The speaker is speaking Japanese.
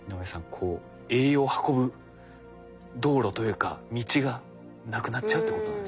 こう栄養を運ぶ道路というか道が無くなっちゃうってことなんですね。